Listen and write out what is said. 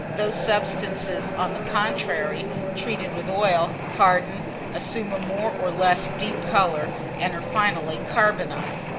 Those substances, on the contrary, treated with oil, harden, assume a more or less deep colour, and are finally carbonized.